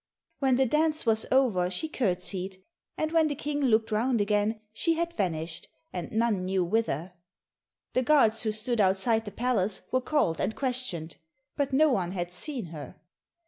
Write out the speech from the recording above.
When the dance was over she curtsied, and when the King looked round again she had vanished, and none knew whither. The guards who stood outside the palace were called and questioned, but no one had seen her.